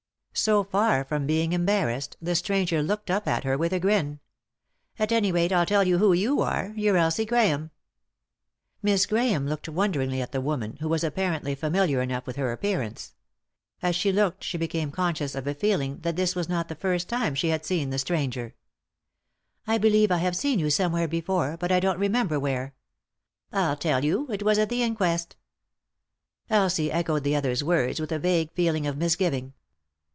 So fax from seeming embarrassed, the stranger looked up at her with a grin. h 97 3i 9 iii^d by Google THE INTERRUPTED KISS " At any rate, I'll tell you who you are — you're Elsie Grahame." Miss Grahame looked wonderingly at the woman, who was apparently familiar enough with her appear ance. As she looked she became conscious of a feel ing that this was not the first time she had seen the stranger. " I believe I have seen you somewhere before, but I don't remember where." " I'll tell you ; it was at the inquest." Elsie echoed the other's words with a vague feeling of misgiving.